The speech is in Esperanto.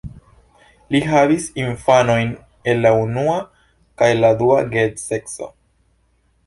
Li havis infanojn el la unua kaj la dua geedzeco.